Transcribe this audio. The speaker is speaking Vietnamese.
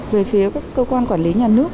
về phía các cơ quan quản lý nhà nước